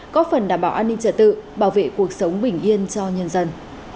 có phần đảm bảo an ninh trật tự bảo vệ cuộc sống bình yên cho nhân dân